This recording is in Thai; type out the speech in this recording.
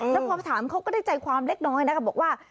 แล้วพอไปถามเขาก็ได้ใจความเล็กน้อยนะคะบอกว่า